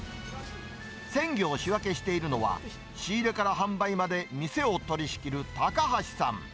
鮮魚を仕分けしているのは、仕入れから販売まで店を取り仕切る高橋さん。